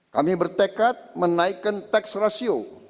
kami bertekad menaikkan tax ratio